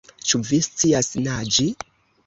Ĉu vi scias naĝi?